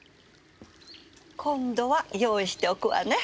今度は用意しておくわね